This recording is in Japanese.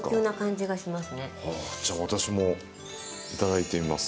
じゃ私もいただいてみます。